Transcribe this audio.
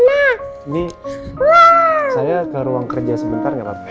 ini saya ke ruang kerja sebentar gak apa apa ya